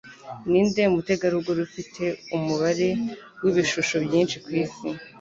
Ninde Mutegarugori Ufite Umubare Wibishusho Byinshi Kwisi?